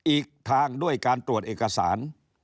อีกทางด้วยการตรวจเอกสาร